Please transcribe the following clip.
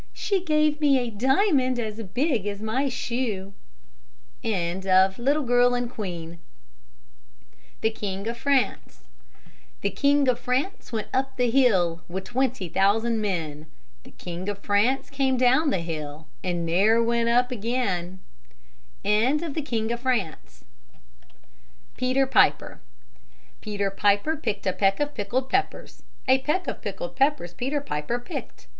"She gave me a diamond as big as my shoe." THE KING OF FRANCE The King of France went up the hill, With twenty thousand men; The King of France came down the hill, And ne'er went up again. PETER PIPER Peter Piper picked a peck of pickled peppers; A peck of pickled peppers Peter Piper picked.